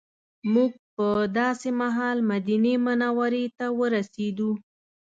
موږ په داسې مهال مدینې منورې ته ورسېدو.